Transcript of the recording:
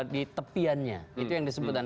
di tepiannya itu yang disebutkan